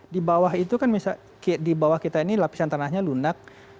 di bawah itu kan di bawah kita ini lapisan tanahnya lunak